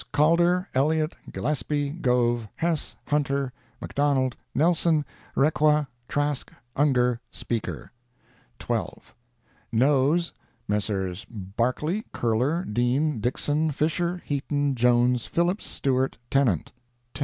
Calder, Elliott, Gillespie, Gove, Hess, Hunter, McDonald, Nelson, Requa, Trask, Ungar, Speaker—12. NOES Messrs. Barclay, Curler, Dean, Dixson, Fisher, Heaton, Jones, Phillips, Stewart, Tennant—10.